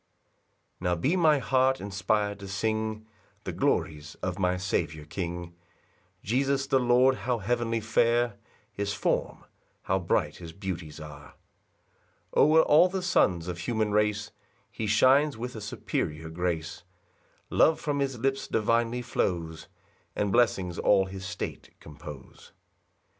1 Now be my heart inspir'd to sing The glories of my Saviour king, Jesus the Lord; how heavenly fair His form! how 'bright his beauties are! 2 O'er all the sons of human race He shines with a superior grace, Love from his lips divinely flows, And blessings all his state compose.